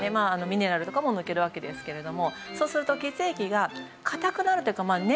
ミネラルとかも抜けるわけですけれどもそうすると血液が硬くなるというか粘度が増す。